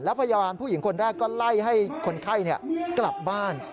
พยาบาลผู้หญิงคนแรกก็ไล่ให้คนไข้กลับบ้าน